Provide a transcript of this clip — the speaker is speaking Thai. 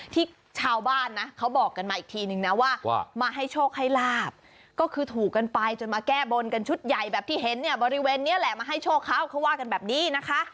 ที่ชาวบ้านนะเขาบอกกันมาอีกทีนึงนะว่ามาให้โชคให้ลาบก็คือถูกกันไปจนมาแก้บนกันชุดใหญ่แบบที่เห็นเนี่ยบริเวณนี้แหละมาให้โชคเขาเขาว่ากันแบบนี้นะคะ